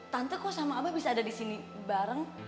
tante kok sama abah bisa ada disini bareng